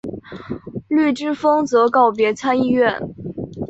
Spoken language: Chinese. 绿之风则告别参议院。